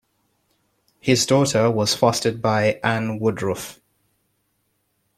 His daughter was fostered by Anne Woodrooffe.